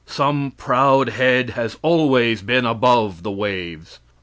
Some proud head has always been above the waves.